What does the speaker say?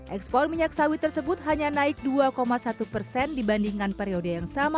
ekspor minyak sawit tersebut hanya naik dua satu persen dibandingkan periode yang sama